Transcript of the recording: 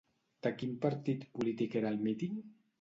De quin partit polític era el míting?